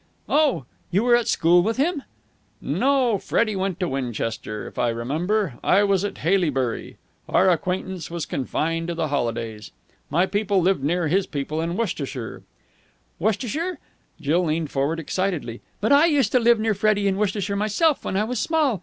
"Oh, you were at school with him?" "No. Freddie went to Winchester, if I remember. I was at Haileybury. Our acquaintance was confined to the holidays. My people lived near his people in Worcestershire." "Worcestershire!" Jill leaned forward excitedly. "But I used to live near Freddie in Worcestershire myself when I was small.